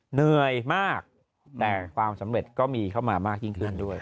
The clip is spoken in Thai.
เหนื่อยมากแต่ความสำเร็จก็มีเข้ามามากยิ่งขึ้นด้วย